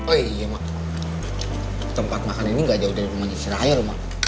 oh iya mak tempat makan ini gak jauh dari rumah israel